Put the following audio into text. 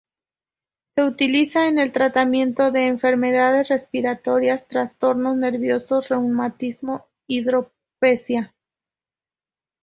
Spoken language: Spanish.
Se utiliza en el tratamiento de enfermedades respiratorias, trastornos nerviosos, reumatismo, y hidropesía.